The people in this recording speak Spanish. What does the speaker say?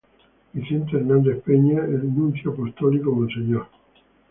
Vicente Hernández Peña, el Nuncio Apostólico Mons.